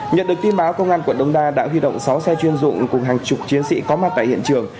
nhận được tin báo công an quận đông đa đã huy động sáu xe chuyên dụng cùng hàng chục chiến sĩ có mặt tại hiện trường